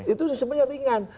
itu sebenarnya ringan